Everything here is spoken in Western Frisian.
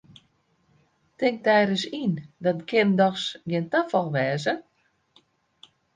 Tink dy ris yn, dat kin dochs gjin tafal wêze!